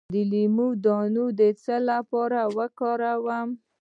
د لیمو دانه د څه لپاره وکاروم؟